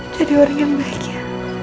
jadi orang yang baik ya